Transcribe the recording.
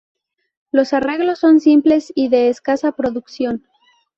Los arreglos son simples y de escasa producción.